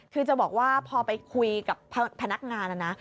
คือจะบอกว่าพอไปคุยกับพนักงานนะนะ